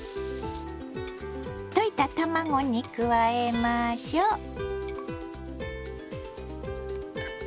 溶いた卵に加えましょう。